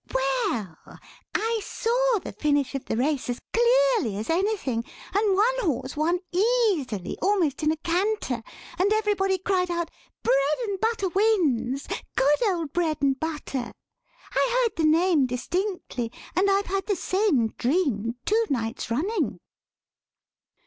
"Well, I saw the finish of the race as clearly as anything; and one horse won easily, almost in a canter, and everybody cried out 'Bread and Butter wins! Good old Bread and Butter.' I heard the name distinctly, and I've had the same dream two nights running."